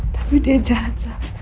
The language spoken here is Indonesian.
tapi dia jahat